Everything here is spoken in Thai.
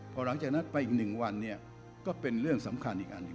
พอหลังจากนั้นไปอีก๑วันเนี่ยก็เป็นเรื่องสำคัญอีกอันหนึ่ง